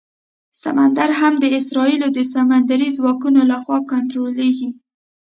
سمندر هم د اسرائیلو د سمندري ځواکونو لخوا کنټرولېږي.